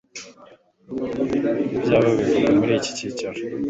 Ibyaha bivugwa muri iki cyiciro